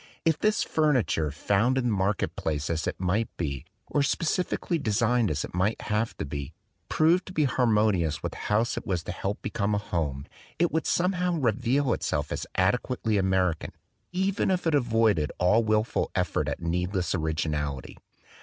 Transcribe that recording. If this furniture, found in the market place as it might be, or specially designed as it might have to be, proved to be harmonious with the house it was to help become a home, it would somehow re veal itself as adequately American, even if it avoided all wilful effort at needless originality.